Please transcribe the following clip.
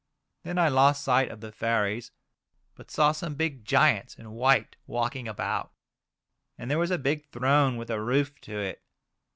Then I lost sight of the fairies, but saw some big giants in white walking about, and there was a big throne with a roof to it.